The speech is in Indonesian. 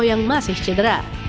yang masih cedera